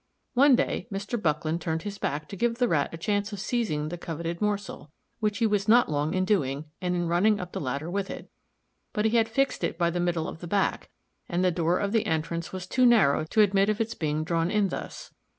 One day Mr. Buckland turned his back to give the Rat a chance of seizing the coveted morsel, which he was not long in doing and in running up the ladder with it; but he had fixed it by the middle of the back, and the door of the entrance was too narrow to admit of its being drawn in thus.